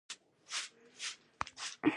هر لیکوال باید شمېرل هم زده وای.